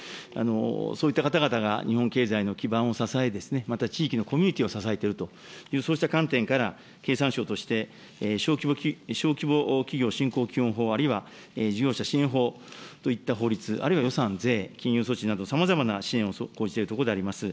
そういった方々が日本経済の基盤を支えてですね、また地域のコミュニティを支えているという、そうした観点から、経産省として、小規模企業振興基本法、あるいは事業者支援法といった法律、あるいは予算、税、金融措置など、さまざまな支援を講じているところでございます。